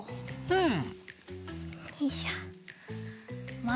うん！